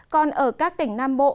còn ở các tỉnh nam bộ